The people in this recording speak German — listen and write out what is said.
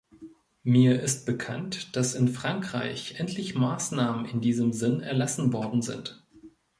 Mir ist bekannt, dass in Frankreich endlich Maßnahmen in diesem Sinn erlassen worden sind.